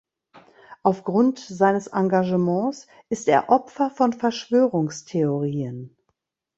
Aufgrund seines Engagements ist er Opfer von Verschwörungstheorien.